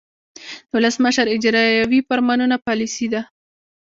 د ولسمشر اجراییوي فرمانونه پالیسي ده.